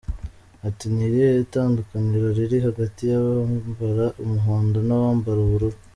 Ati « Ni irihe tandukaniro riri hagati y’abambara umuhondo n’abambara ubururu.